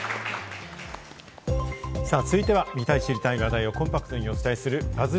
続いては、見たい知りたい話題をコンパクトにお伝えするＢＵＺＺ